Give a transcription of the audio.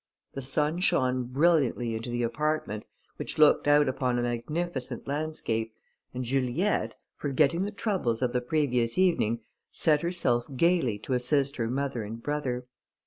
The sun shone brilliantly into the apartment, which looked out upon a magnificent landscape, and Juliette, forgetting the troubles of the previous evening, set herself gaily to assist her mother and brother.